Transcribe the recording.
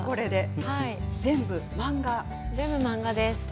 全部漫画です。